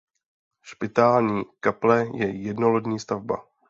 Špitální kaple je jednolodní stavba.